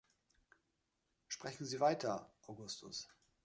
Sprechen Sie weiter, Augustus.